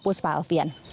pus pak alfian